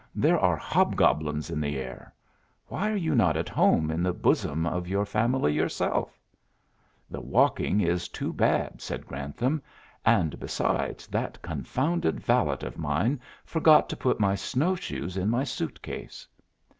There are hobgoblins in the air. Why are you not at home in the bosom of your family yourself?" "The walking is too bad," said Grantham. "And, besides, that confounded valet of mine forgot to put my snowshoes in my suit case."